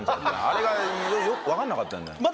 あれが分かんなかったんだよ。